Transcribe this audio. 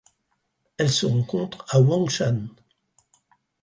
Elle se rencontre à Huangshan.